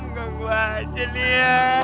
enggak gua aja liat